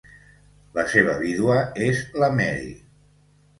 La seva vídua és la Mary.